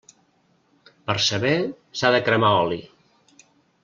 Per saber, s'ha de cremar oli.